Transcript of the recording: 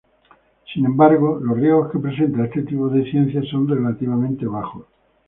Sin embargo, los riesgos que presenta este tipo de ciencia son relativamente bajos.